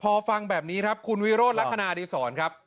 พอฟังแบบนี้ครับคุณวิโรธลักษณะดีศรครับ